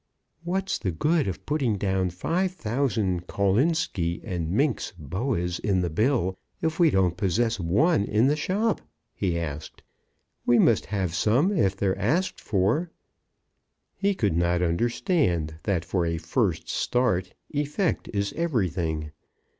"What's the good of putting down 5,000 Kolinski and Minx Boas in the bill, if we don't possess one in the shop?" he asked; "we must have some if they're asked for." He could not understand that for a first start effect is everything.